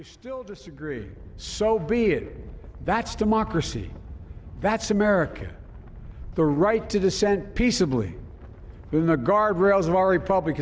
saya akan menjadi presiden untuk semua orang amerika